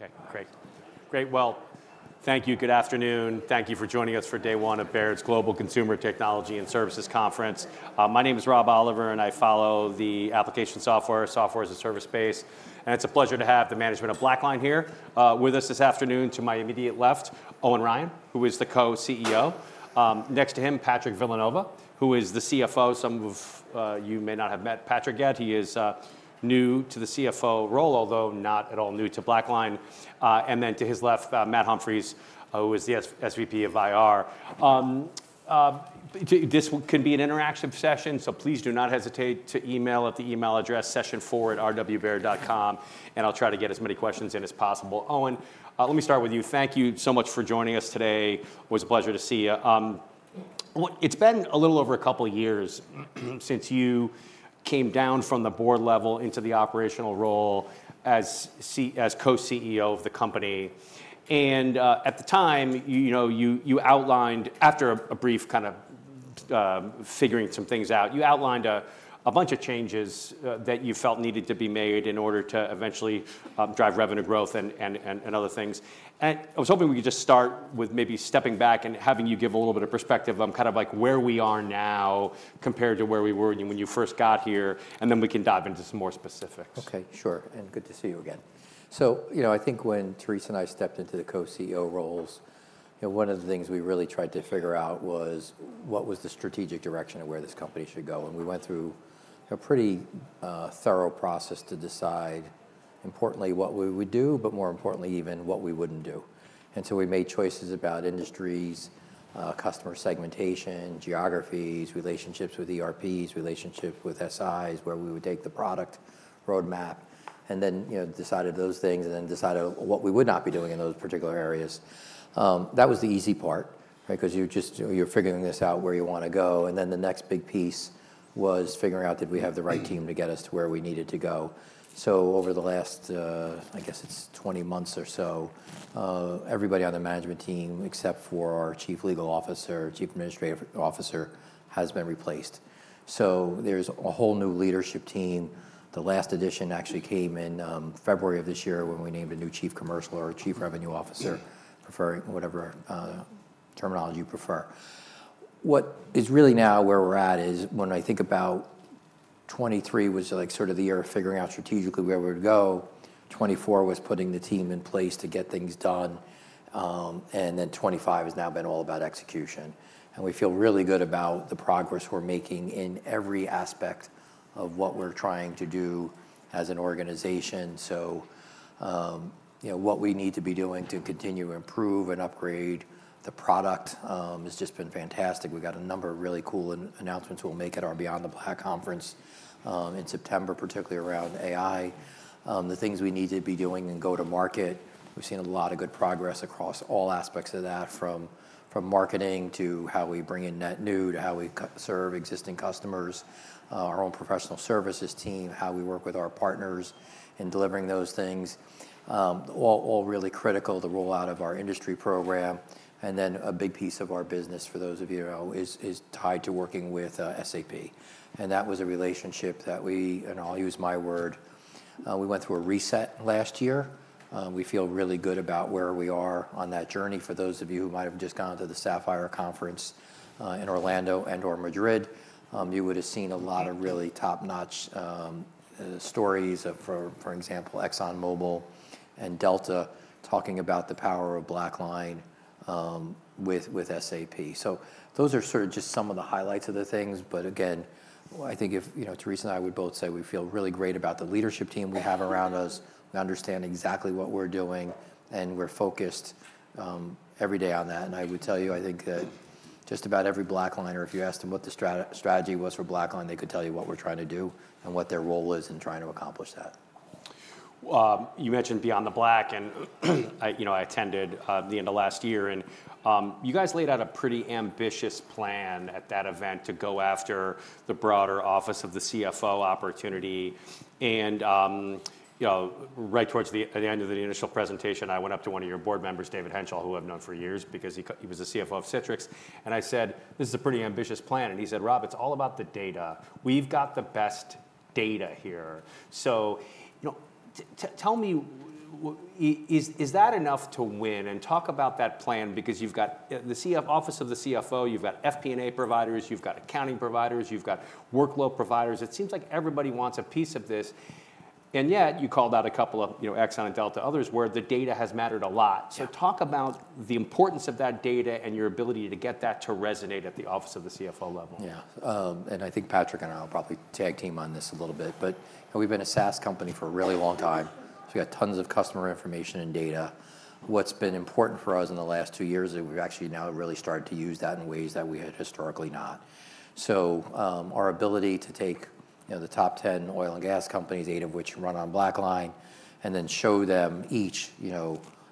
Okay. Great. Great. Thank you. Good afternoon. Thank you for joining us for Day One at Baird's Global Consumer Technology and Services Conference. My name is Rob Oliver, and I follow the application software, software as a service space. It is a pleasure to have the management of BlackLine here with us this afternoon. To my immediate left, Owen Ryan, who is the co-CEO. Next to him, Patrick Villanova, who is the CFO. Some of you may not have met Patrick yet. He is new to the CFO role, although not at all new to BlackLine. Then to his left, Matt Humphries, who is the SVP of IR. This can be an interactive session, so please do not hesitate to email at the email address session4@rwbaird.com, and I'll try to get as many questions in as possible. Owen, let me start with you. Thank you so much for joining us today. It was a pleasure to see you. It's been a little over a couple of years since you came down from the board level into the operational role as co-CEO of the company. At the time, you outlined, after a brief kind of figuring some things out, you outlined a bunch of changes that you felt needed to be made in order to eventually drive revenue growth and other things. I was hoping we could just start with maybe stepping back and having you give a little bit of perspective on kind of like where we are now compared to where we were when you first got here, and then we can dive into some more specifics. Okay. Sure. Good to see you again. I think when Therese and I stepped into the co-CEO roles, one of the things we really tried to figure out was what was the strategic direction of where this company should go. We went through a pretty thorough process to decide, importantly, what we would do, but more importantly, even what we wouldn't do. We made choices about industries, customer segmentation, geographies, relationships with ERPs, relationships with SIs, where we would take the product roadmap, and then decided those things, and then decided what we would not be doing in those particular areas. That was the easy part because you're figuring this out where you want to go. The next big piece was figuring out, did we have the right team to get us to where we needed to go? Over the last, I guess it's 20 months or so, everybody on the management team except for our Chief Legal Officer, Chief Administrative Officer, has been replaced. There's a whole new leadership team. The last addition actually came in February of this year when we named a new Chief Commercial or Chief Revenue Officer, whatever terminology you prefer. What is really now where we're at is when I think about 2023 was sort of the year of figuring out strategically where we would go. 2024 was putting the team in place to get things done. 2025 has now been all about execution. We feel really good about the progress we're making in every aspect of what we're trying to do as an organization. What we need to be doing to continue to improve and upgrade the product has just been fantastic. We've got a number of really cool announcements we'll make at our Beyond the Black conference in September, particularly around AI. The things we need to be doing in go-to-market, we've seen a lot of good progress across all aspects of that, from marketing to how we bring in net new to how we serve existing customers, our own professional services team, how we work with our partners in delivering those things, all really critical. The rollout of our industry program, and then a big piece of our business, for those of you who know, is tied to working with SAP. That was a relationship that we, and I'll use my word, we went through a reset last year. We feel really good about where we are on that journey. For those of you who might have just gone to the Sapphire conference in Orlando and/or Madrid, you would have seen a lot of really top-notch stories of, for example, ExxonMobil and Delta talking about the power of BlackLine with SAP. Those are sort of just some of the highlights of the things. I think Therese and I would both say we feel really great about the leadership team we have around us. We understand exactly what we're doing, and we're focused every day on that. I would tell you, I think that just about every BlackLiner, if you asked them what the strategy was for BlackLine, they could tell you what we're trying to do and what their role is in trying to accomplish that. You mentioned Beyond the Black, and I attended the end of last year. You guys laid out a pretty ambitious plan at that event to go after the broader office of the CFO opportunity. Right towards the end of the initial presentation, I went up to one of your board members, David Henshall, who I've known for years because he was the CFO of Citrix. I said, "This is a pretty ambitious plan." He said, "Rob, it's all about the data. We've got the best data here." Tell me, is that enough to win? Talk about that plan because you've got the office of the CFO, you've got FP&A providers, you've got accounting providers, you've got workload providers. It seems like everybody wants a piece of this. Yet you called out a couple of ExxonMobil and Delta Air Lines others where the data has mattered a lot. Talk about the importance of that data and your ability to get that to resonate at the office of the CFO level. Yeah. I think Patrick and I will probably tag team on this a little bit. We have been a SaaS company for a really long time. We have tons of customer information and data. What has been important for us in the last two years is we have actually now really started to use that in ways that we had historically not. Our ability to take the top 10 oil and gas companies, eight of which run on BlackLine, and then show them each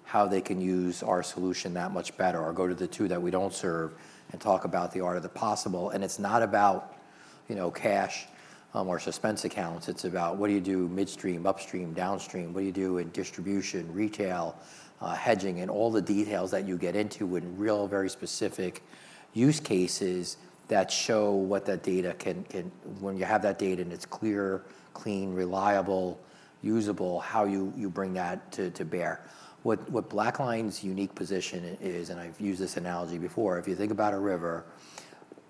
how they can use our solution that much better, or go to the two that we do not serve and talk about the art of the possible. It is not about cash or suspense accounts. It is about what do you do midstream, upstream, downstream? What do you do in distribution, retail, hedging, and all the details that you get into in real, very specific use cases that show what that data can, when you have that data and it's clear, clean, reliable, usable, how you bring that to bear. What BlackLine's unique position is, and I've used this analogy before, if you think about a river,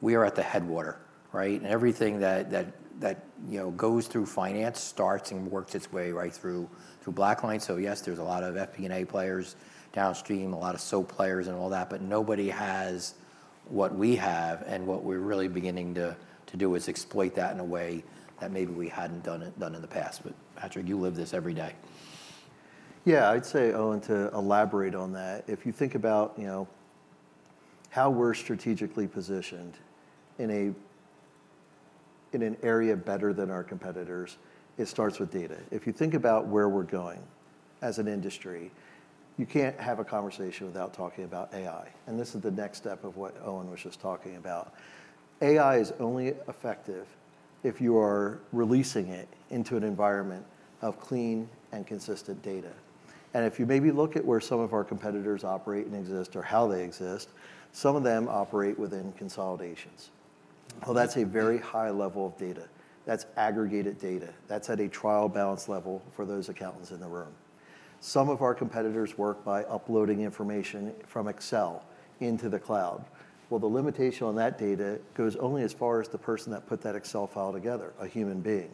we are at the headwater, right? Everything that goes through finance starts and works its way right through BlackLine. Yes, there's a lot of FP&A players downstream, a lot of SAP players and all that, but nobody has what we have. What we're really beginning to do is exploit that in a way that maybe we hadn't done in the past. Patrick, you live this every day. Yeah. I'd say, Owen, to elaborate on that, if you think about how we're strategically positioned in an area better than our competitors, it starts with data. If you think about where we're going as an industry, you can't have a conversation without talking about AI. This is the next step of what Owen was just talking about. AI is only effective if you are releasing it into an environment of clean and consistent data. If you maybe look at where some of our competitors operate and exist or how they exist, some of them operate within consolidations. That is a very high level of data. That is aggregated data. That is at a trial balance level for those accountants in the room. Some of our competitors work by uploading information from Excel into the cloud. The limitation on that data goes only as far as the person that put that Excel file together, a human being.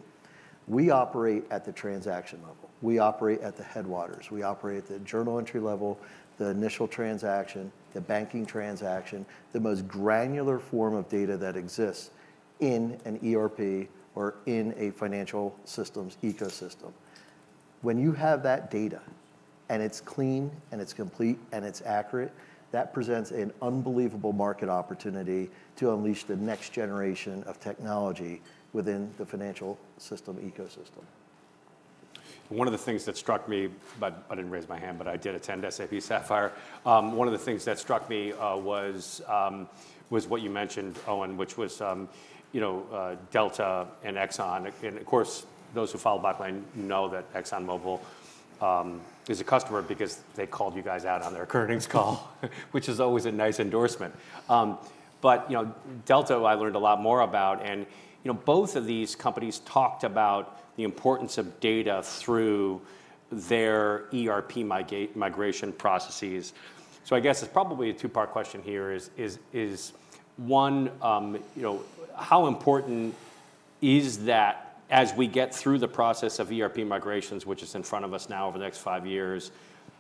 We operate at the transaction level. We operate at the headwaters. We operate at the journal entry level, the initial transaction, the banking transaction, the most granular form of data that exists in an ERP or in a financial systems ecosystem. When you have that data and it is clean and it is complete and it is accurate, that presents an unbelievable market opportunity to unleash the next generation of technology within the financial system ecosystem. One of the things that struck me, but I didn't raise my hand, but I did attend SAP Sapphire. One of the things that struck me was what you mentioned, Owen, which was Delta and Exxon. And of course, those who follow BlackLine know that ExxonMobil is a customer because they called you guys out on their earnings call, which is always a nice endorsement. But Delta, I learned a lot more about. And both of these companies talked about the importance of data through their ERP migration processes. I guess it's probably a two-part question here. One, how important is that as we get through the process of ERP migrations, which is in front of us now over the next five years,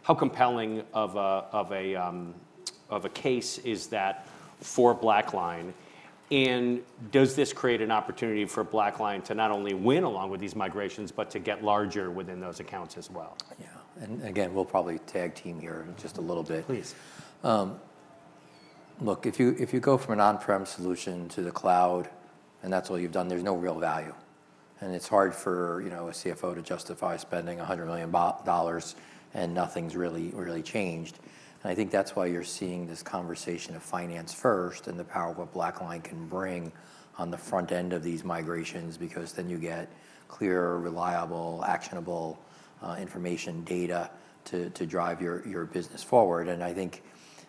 how compelling of a case is that for BlackLine? Does this create an opportunity for BlackLine to not only win along with these migrations, but to get larger within those accounts as well? Yeah. Again, we'll probably tag team here just a little bit. Please. Look, if you go from an on-prem solution to the cloud and that's all you've done, there's no real value. It's hard for a CFO to justify spending $100 million and nothing's really changed. I think that's why you're seeing this conversation of finance first and the power of what BlackLine can bring on the front end of these migrations, because then you get clear, reliable, actionable information, data to drive your business forward. I think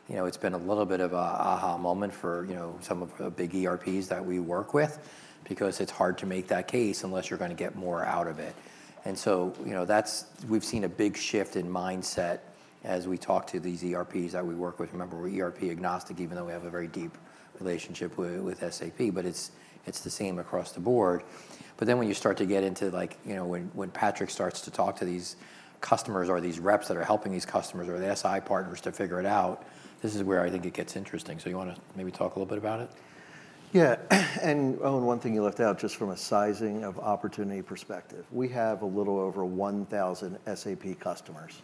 it's been a little bit of an aha moment for some of the big ERPs that we work with, because it's hard to make that case unless you're going to get more out of it. We've seen a big shift in mindset as we talk to these ERPs that we work with. Remember, we're ERP agnostic, even though we have a very deep relationship with SAP, but it's the same across the board. When you start to get into when Patrick starts to talk to these customers or these reps that are helping these customers or the SI partners to figure it out, this is where I think it gets interesting. You want to maybe talk a little bit about it? Yeah. And Owen, one thing you left out just from a sizing of opportunity perspective. We have a little over 1,000 SAP customers.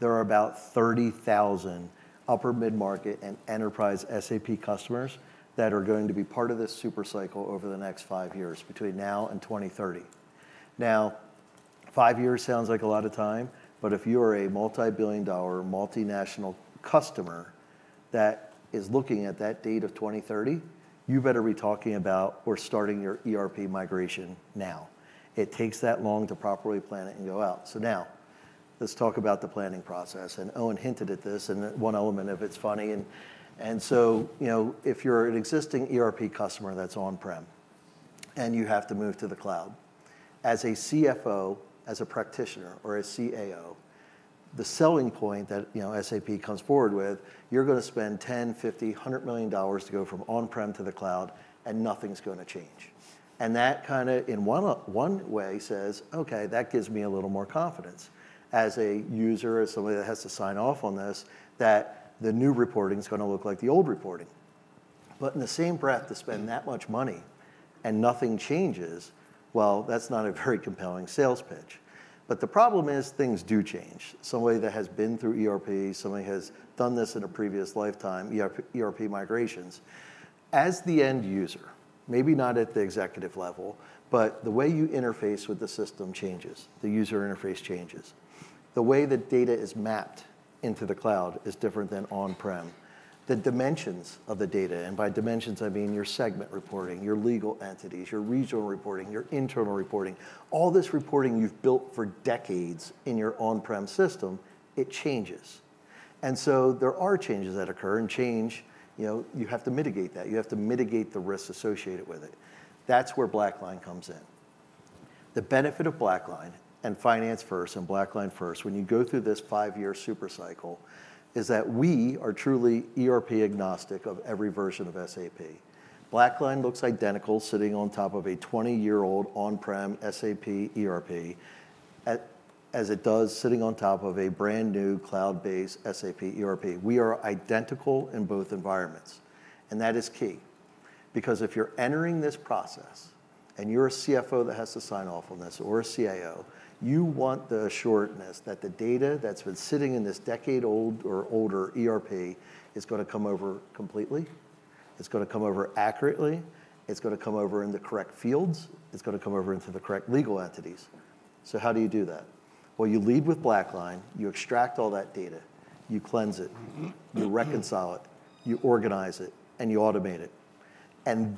There are about 30,000 upper mid-market and enterprise SAP customers that are going to be part of this supercycle over the next five years between now and 2030. Now, five years sounds like a lot of time, but if you are a multi-billion dollar multinational customer that is looking at that date of 2030, you better be talking about or starting your ERP migration now. It takes that long to properly plan it and go out. Now let's talk about the planning process. And Owen hinted at this in one element of it's funny. If you're an existing ERP customer that's on-prem and you have to move to the cloud, as a CFO, as a practitioner, or as CAO, the selling point that SAP comes forward with, you're going to spend $10 million, $50 million, $100 million to go from on-prem to the cloud, and nothing's going to change. That kind of in one way says, "Okay, that gives me a little more confidence as a user, as somebody that has to sign off on this, that the new reporting is going to look like the old reporting." In the same breath, to spend that much money and nothing changes, that's not a very compelling sales pitch. The problem is things do change. Somebody that has been through ERP, somebody has done this in a previous lifetime, ERP migrations, as the end user, maybe not at the executive level, but the way you interface with the system changes, the user interface changes. The way that data is mapped into the cloud is different than on-prem. The dimensions of the data, and by dimensions, I mean your segment reporting, your legal entities, your regional reporting, your internal reporting, all this reporting you have built for decades in your on-prem system, it changes. There are changes that occur, and change, you have to mitigate that. You have to mitigate the risks associated with it. That is where BlackLine comes in. The benefit of BlackLine and Finance First and BlackLine First, when you go through this five-year supercycle, is that we are truly ERP agnostic of every version of SAP. BlackLine looks identical sitting on top of a 20-year-old on-prem SAP ERP as it does sitting on top of a brand new cloud-based SAP ERP. We are identical in both environments. That is key. Because if you're entering this process and you're a CFO that has to sign off on this or a CIO, you want the assuredness that the data that's been sitting in this decade-old or older ERP is going to come over completely. It's going to come over accurately. It's going to come over in the correct fields. It's going to come over into the correct legal entities. How do you do that? You lead with BlackLine. You extract all that data. You cleanse it. You reconcile it. You organize it. You automate it.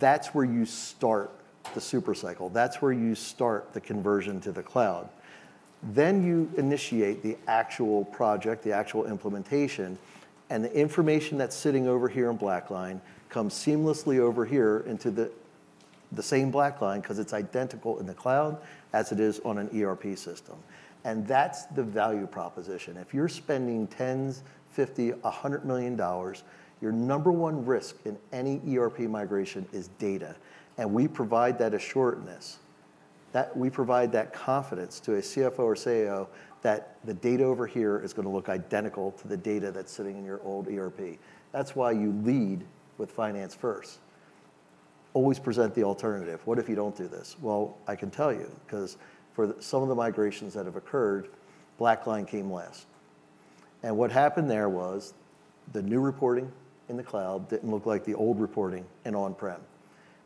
That is where you start the supercycle. That is where you start the conversion to the cloud. You initiate the actual project, the actual implementation. The information that's sitting over here in BlackLine comes seamlessly over here into the same BlackLine because it's identical in the cloud as it is on an ERP system. That's the value proposition. If you're spending $10 million, $50 million, $100 million, your number one risk in any ERP migration is data. We provide that assuredness. We provide that confidence to a CFO or CIO that the data over here is going to look identical to the data that's sitting in your old ERP. That's why you lead with Finance First. Always present the alternative. What if you don't do this? I can tell you, because for some of the migrations that have occurred, BlackLine came last. What happened there was the new reporting in the cloud didn't look like the old reporting in on-prem.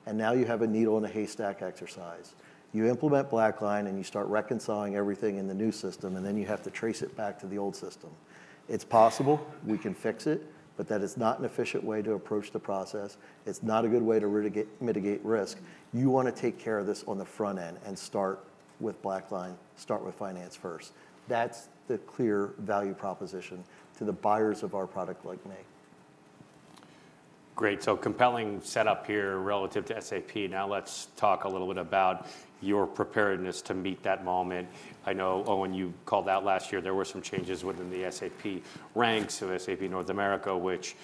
You have a needle in a haystack exercise. You implement BlackLine and you start reconciling everything in the new system, and then you have to trace it back to the old system. It's possible. We can fix it, but that is not an efficient way to approach the process. It's not a good way to mitigate risk. You want to take care of this on the front end and start with BlackLine, start with Finance First. That's the clear value proposition to the buyers of our product like me. Great. Compelling setup here relative to SAP. Now let's talk a little bit about your preparedness to meet that moment. I know, Owen, you called out last year there were some changes within the SAP ranks and SAP North America, which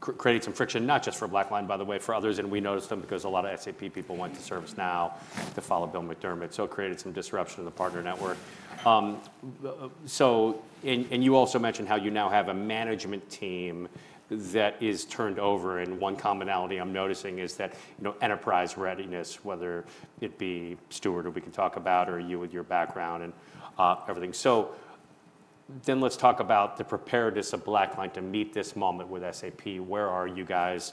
created some friction, not just for BlackLine, by the way, for others. We noticed them because a lot of SAP people went to ServiceNow to follow Bill McDermott. It created some disruption in the partner network. You also mentioned how you now have a management team that is turned over. One commonality I'm noticing is that enterprise readiness, whether it be Stuart, who we can talk about, or you with your background and everything. Let's talk about the preparedness of BlackLine to meet this moment with SAP. Where are you guys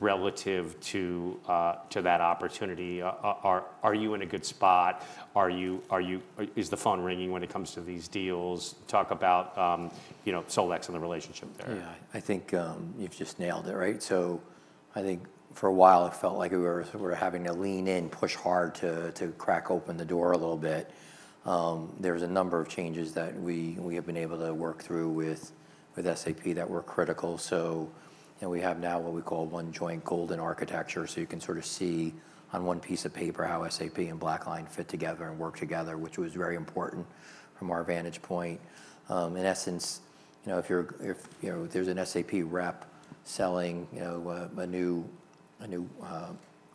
relative to that opportunity? Are you in a good spot? Is the phone ringing when it comes to these deals? Talk about Solex and the relationship there. Yeah. I think you've just nailed it, right? I think for a while, it felt like we were having to lean in, push hard to crack open the door a little bit. There's a number of changes that we have been able to work through with SAP that were critical. We have now what we call one-joint golden architecture. You can sort of see on one piece of paper how SAP and BlackLine fit together and work together, which was very important from our vantage point. In essence, if there's an SAP rep selling a new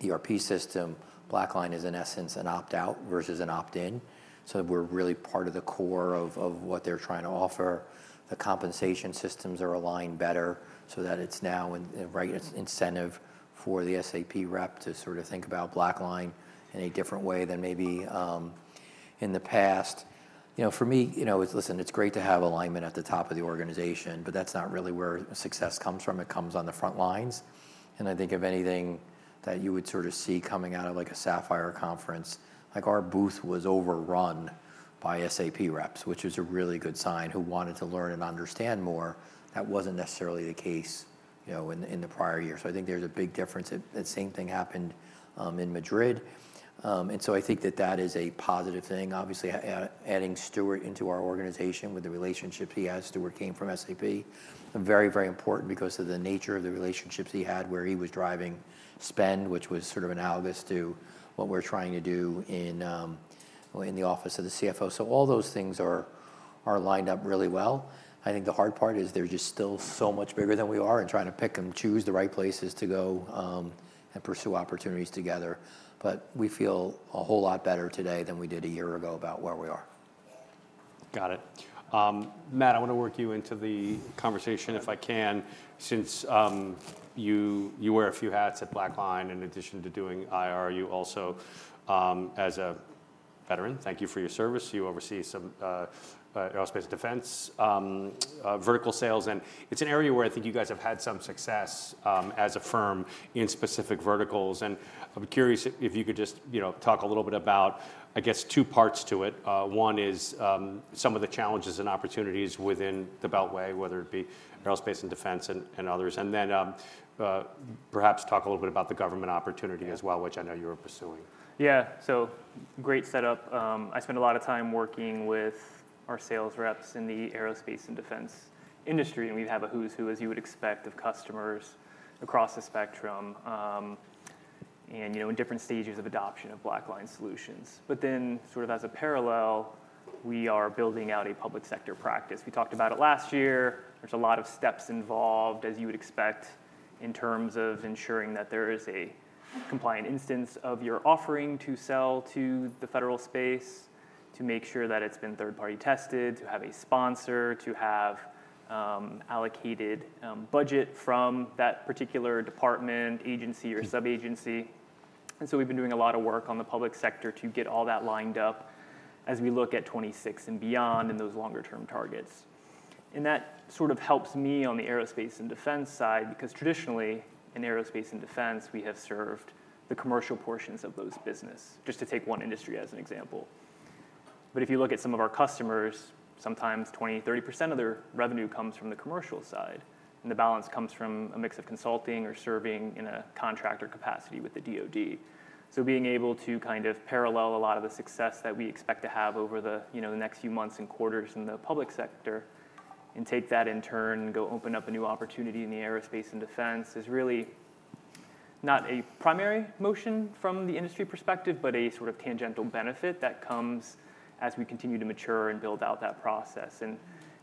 ERP system, BlackLine is, in essence, an opt-out versus an opt-in. We're really part of the core of what they're trying to offer. The compensation systems are aligned better so that it's now incentive for the SAP rep to sort of think about BlackLine in a different way than maybe in the past. For me, listen, it's great to have alignment at the top of the organization, but that's not really where success comes from. It comes on the front lines. I think if anything that you would sort of see coming out of a Sapphire conference, our booth was overrun by SAP reps, which is a really good sign, who wanted to learn and understand more. That wasn't necessarily the case in the prior year. I think there's a big difference. That same thing happened in Madrid. I think that that is a positive thing. Obviously, adding Stuart into our organization with the relationships he has, Stuart came from SAP, very, very important because of the nature of the relationships he had where he was driving spend, which was sort of analogous to what we're trying to do in the office of the CFO. All those things are lined up really well. I think the hard part is they're just still so much bigger than we are and trying to pick and choose the right places to go and pursue opportunities together. We feel a whole lot better today than we did a year ago about where we are. Got it. Matt, I want to work you into the conversation if I can. Since you wear a few hats at BlackLine in addition to doing IR, you also, as a veteran, thank you for your service. You oversee some aerospace defense vertical sales. It is an area where I think you guys have had some success as a firm in specific verticals. I am curious if you could just talk a little bit about, I guess, two parts to it. One is some of the challenges and opportunities within the Beltway, whether it be aerospace and defense and others. Then perhaps talk a little bit about the government opportunity as well, which I know you were pursuing. Yeah. Great setup. I spend a lot of time working with our sales reps in the aerospace and defense industry. We have a who's who, as you would expect, of customers across the spectrum and in different stages of adoption of BlackLine solutions. As a parallel, we are building out a public sector practice. We talked about it last year. There are a lot of steps involved, as you would expect, in terms of ensuring that there is a compliant instance of your offering to sell to the federal space, to make sure that it's been third-party tested, to have a sponsor, to have allocated budget from that particular department, agency, or sub-agency. We have been doing a lot of work on the public sector to get all that lined up as we look at 2026 and beyond and those longer-term targets. That sort of helps me on the aerospace and defense side because traditionally, in aerospace and defense, we have served the commercial portions of those business, just to take one industry as an example. If you look at some of our customers, sometimes 20%, 30% of their revenue comes from the commercial side. The balance comes from a mix of consulting or serving in a contractor capacity with the DOD. Being able to kind of parallel a lot of the success that we expect to have over the next few months and quarters in the public sector and take that in turn and go open up a new opportunity in the aerospace and defense is really not a primary motion from the industry perspective, but a sort of tangential benefit that comes as we continue to mature and build out that process.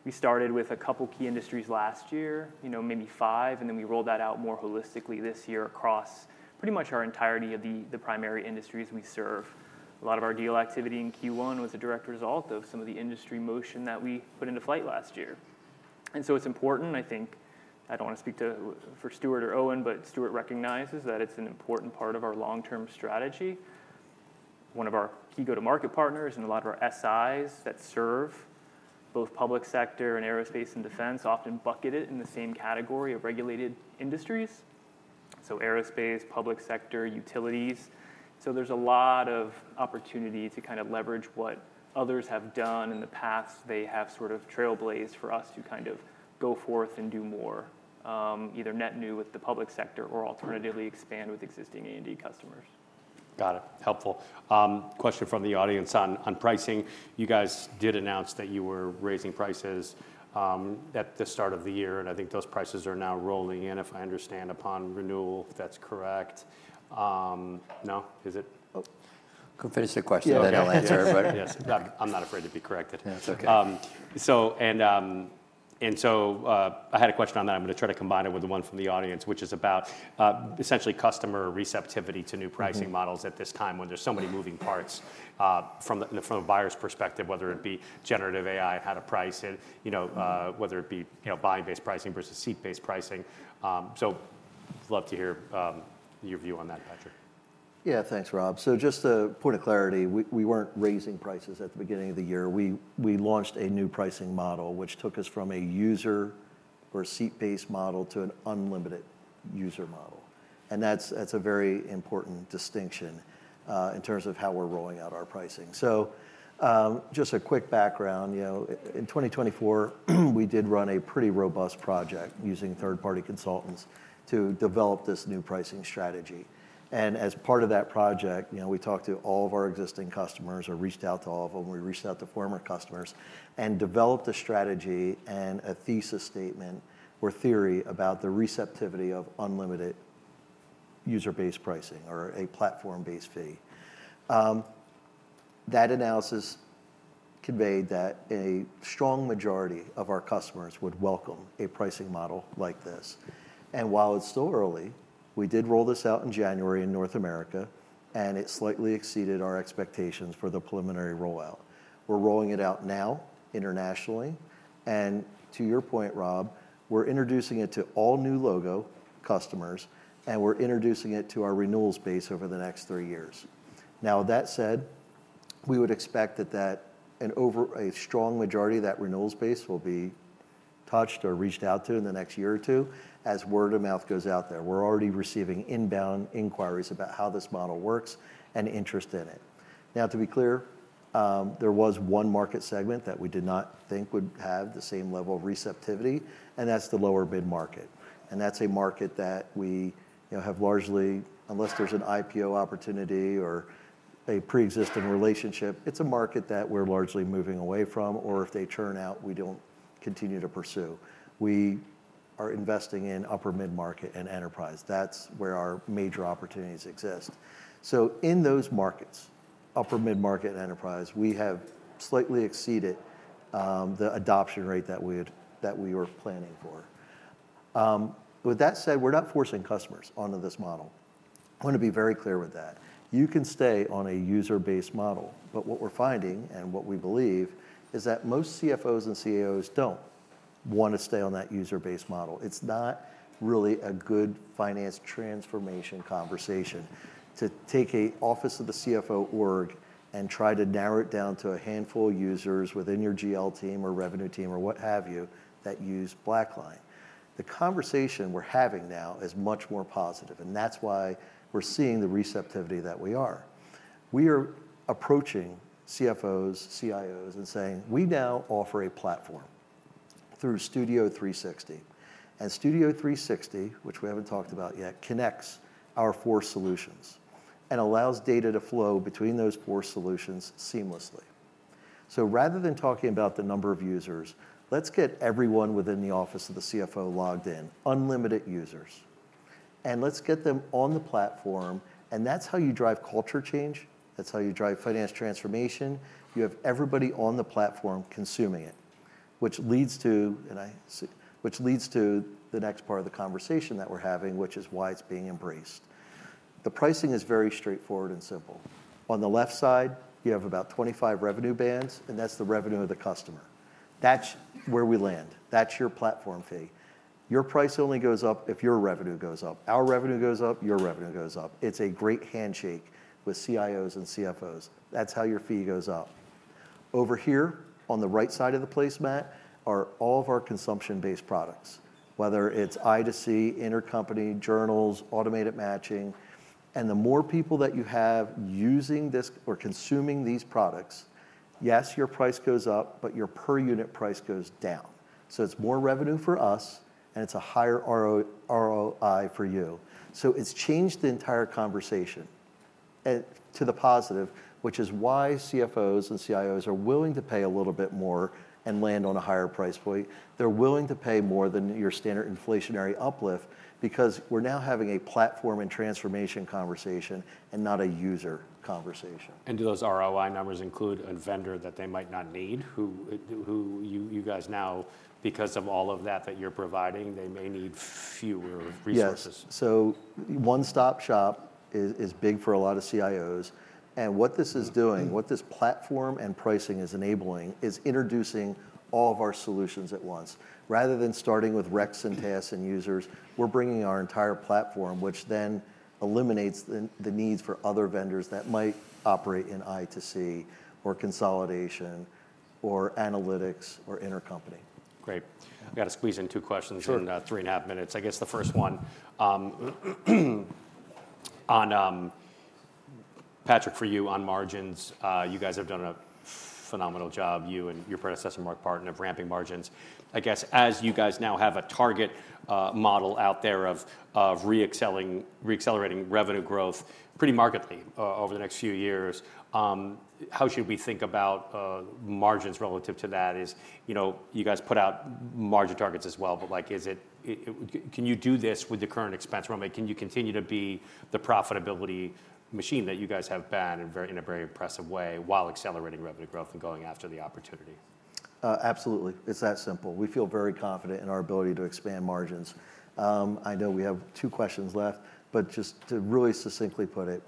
We started with a couple key industries last year, maybe five. We rolled that out more holistically this year across pretty much our entirety of the primary industries we serve. A lot of our deal activity in Q1 was a direct result of some of the industry motion that we put into flight last year. It is important. I do not want to speak for Stuart or Owen, but Stuart recognizes that it is an important part of our long-term strategy. One of our key go-to-market partners and a lot of our SIs that serve both public sector and aerospace and defense often bucket it in the same category of regulated industries. Aerospace, public sector, utilities. There is a lot of opportunity to kind of leverage what others have done in the past. They have sort of trailblazed for us to kind of go forth and do more, either net new with the public sector or alternatively expand with existing A&D customers. Got it. Helpful. Question from the audience on pricing. You guys did announce that you were raising prices at the start of the year. I think those prices are now rolling in, if I understand, upon renewal. If that's correct. No? Is it? Finish the question. Then I'll answer. Yes. I'm not afraid to be corrected. That's okay. I had a question on that. I'm going to try to combine it with the one from the audience, which is about essentially customer receptivity to new pricing models at this time when there's so many moving parts from a buyer's perspective, whether it be generative AI and how to price it, whether it be buying-based pricing versus seat-based pricing. I'd love to hear your view on that, Patrick. Yeah. Thanks, Rob. Just to point of clarity, we were not raising prices at the beginning of the year. We launched a new pricing model, which took us from a user or seat-based model to an unlimited user model. That is a very important distinction in terms of how we are rolling out our pricing. Just a quick background. In 2024, we did run a pretty robust project using third-party consultants to develop this new pricing strategy. As part of that project, we talked to all of our existing customers or reached out to all of them. We reached out to former customers and developed a strategy and a thesis statement or theory about the receptivity of unlimited user-based pricing or a platform-based fee. That analysis conveyed that a strong majority of our customers would welcome a pricing model like this. While it's still early, we did roll this out in January in North America, and it slightly exceeded our expectations for the preliminary rollout. We're rolling it out now internationally. To your point, Rob, we're introducing it to all new logo customers, and we're introducing it to our renewals base over the next three years. That said, we would expect that a strong majority of that renewals base will be touched or reached out to in the next year or two as word of mouth goes out there. We're already receiving inbound inquiries about how this model works and interest in it. To be clear, there was one market segment that we did not think would have the same level of receptivity, and that's the lower-bid market. That's a market that we have largely, unless there's an IPO opportunity or a pre-existing relationship, it's a market that we're largely moving away from, or if they churn out, we don't continue to pursue. We are investing in upper-mid market and enterprise. That's where our major opportunities exist. In those markets, upper-mid market and enterprise, we have slightly exceeded the adoption rate that we were planning for. With that said, we're not forcing customers onto this model. I want to be very clear with that. You can stay on a user-based model, but what we're finding and what we believe is that most CFOs and CEOs don't want to stay on that user-based model. It's not really a good finance transformation conversation to take an office of the CFO org and try to narrow it down to a handful of users within your GL team or revenue team or what have you that use BlackLine. The conversation we're having now is much more positive, and that's why we're seeing the receptivity that we are. We are approaching CFOs, CIOs, and saying, "We now offer a platform through Studio 360." Studio 360, which we haven't talked about yet, connects our four solutions and allows data to flow between those four solutions seamlessly. Rather than talking about the number of users, let's get everyone within the office of the CFO logged in, unlimited users. Let's get them on the platform. That's how you drive culture change. That's how you drive finance transformation. You have everybody on the platform consuming it, which leads to the next part of the conversation that we're having, which is why it's being embraced. The pricing is very straightforward and simple. On the left side, you have about 25 revenue bands, and that's the revenue of the customer. That's where we land. That's your platform fee. Your price only goes up if your revenue goes up. Our revenue goes up, your revenue goes up. It's a great handshake with CIOs and CFOs. That's how your fee goes up. Over here on the right side of the placemat are all of our consumption-based products, whether it's I2C, intercompany journals, automated matching. The more people that you have using this or consuming these products, yes, your price goes up, but your per-unit price goes down. It's more revenue for us, and it's a higher ROI for you. It's changed the entire conversation to the positive, which is why CFOs and CIOs are willing to pay a little bit more and land on a higher price point. They're willing to pay more than your standard inflationary uplift because we're now having a platform and transformation conversation and not a user conversation. Do those ROI numbers include a vendor that they might not need? You guys now, because of all of that that you're providing, they may need fewer resources? Yes. One-stop shop is big for a lot of CIOs. What this is doing, what this platform and pricing is enabling, is introducing all of our solutions at once. Rather than starting with reps and tasks and users, we're bringing our entire platform, which then eliminates the needs for other vendors that might operate in I2C or consolidation or analytics or intercompany. Great. I've got to squeeze in two questions in three and a half minutes. I guess the first one, Patrick, for you on margins. You guys have done a phenomenal job, you and your predecessor, Mark Partin, of ramping margins. I guess as you guys now have a target model out there of re-accelerating revenue growth pretty markedly over the next few years, how should we think about margins relative to that? You guys put out margin targets as well, but can you do this with the current expense realm? Can you continue to be the profitability machine that you guys have been in a very impressive way while accelerating revenue growth and going after the opportunity? Absolutely. It's that simple. We feel very confident in our ability to expand margins. I know we have two questions left, but just to really succinctly put it,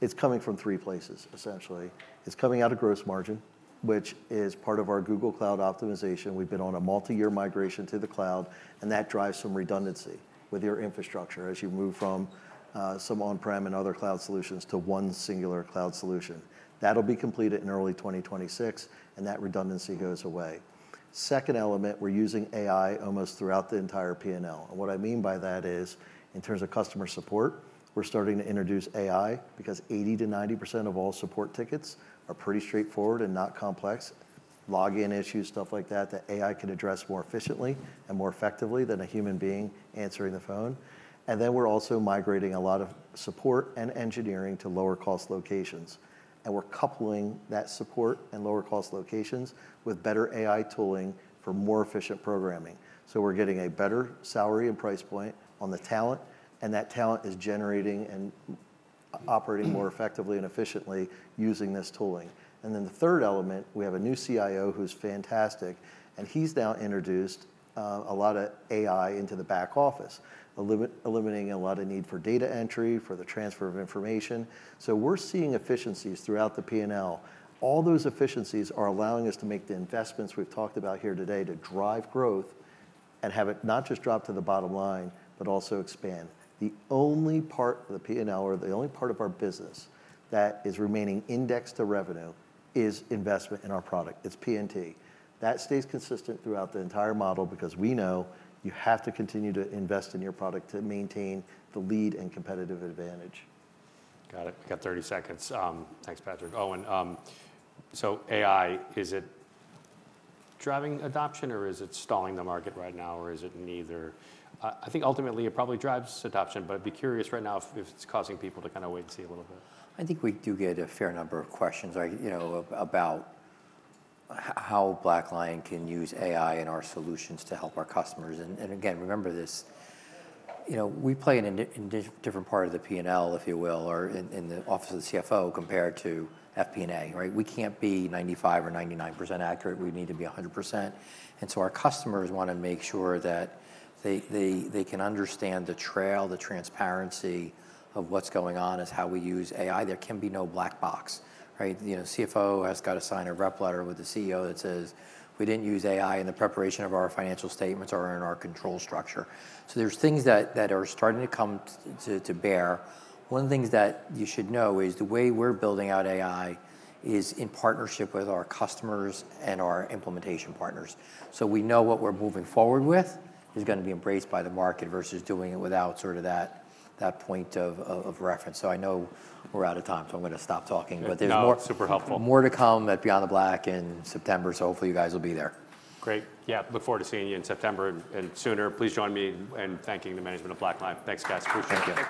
it's coming from three places, essentially. It's coming out of gross margin, which is part of our Google Cloud optimization. We've been on a multi-year migration to the cloud, and that drives some redundancy with your infrastructure as you move from some on-prem and other cloud solutions to one singular cloud solution. That'll be completed in early 2026, and that redundancy goes away. Second element, we're using AI almost throughout the entire P&L. And what I mean by that is in terms of customer support, we're starting to introduce AI because 80%-90% of all support tickets are pretty straightforward and not complex. Login issues, stuff like that, that AI can address more efficiently and more effectively than a human being answering the phone. We are also migrating a lot of support and engineering to lower-cost locations. We are coupling that support and lower-cost locations with better AI tooling for more efficient programming. We are getting a better salary and price point on the talent, and that talent is generating and operating more effectively and efficiently using this tooling. The third element, we have a new CIO who's fantastic, and he's now introduced a lot of AI into the back office, eliminating a lot of need for data entry for the transfer of information. We are seeing efficiencies throughout the P&L. All those efficiencies are allowing us to make the investments we've talked about here today to drive growth and have it not just drop to the bottom line, but also expand. The only part of the P&L or the only part of our business that is remaining indexed to revenue is investment in our product. It's P&T. That stays consistent throughout the entire model because we know you have to continue to invest in your product to maintain the lead and competitive advantage. Got it. We've got 30 seconds. Thanks, Patrick. Owen, so AI, is it driving adoption, or is it stalling the market right now, or is it neither? I think ultimately it probably drives adoption, but I'd be curious right now if it's causing people to kind of wait and see a little bit. I think we do get a fair number of questions about how BlackLine can use AI and our solutions to help our customers. Again, remember this, we play in a different part of the P&L, if you will, or in the office of the CFO compared to FP&A, right? We can't be 95% or 99% accurate. We need to be 100%. Our customers want to make sure that they can understand the trail, the transparency of what's going on as how we use AI. There can be no black box, right? The CFO has got to sign a rep letter with the CEO that says, "We didn't use AI in the preparation of our financial statements or in our control structure." There are things that are starting to come to bear. One of the things that you should know is the way we're building out AI is in partnership with our customers and our implementation partners. We know what we're moving forward with is going to be embraced by the market versus doing it without sort of that point of reference. I know we're out of time, so I'm going to stop talking. No, super helpful. There is more to come at Beyond the Black in September, so hopefully you guys will be there. Great. Yeah. Look forward to seeing you in September and sooner. Please join me in thanking the management of BlackLine. Thanks, guys. Appreciate it.